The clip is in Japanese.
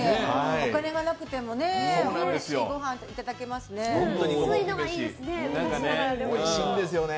お金がなくてもねおいしいごはんをおいしいんですよね。